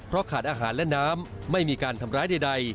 ขาดอาหารและน้ำไม่มีการทำร้ายใด